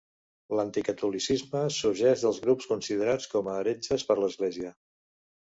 L'anticatolicisme sorgeix dels grups considerats com a heretges per l'Església.